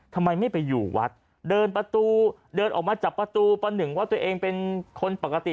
ทำไมไม่ไปอยู่วัดเดินประตูเดินออกมาจากประตูประหนึ่งว่าตัวเองเป็นคนปกติ